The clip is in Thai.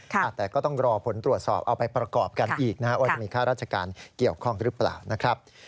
แต่ก็ต้องรอผลตรวจสอบเอาไปประกอบกันอีกนะครับว่าจะมีค่าราชการเกี่ยวข้องหรือเปล่านะครับ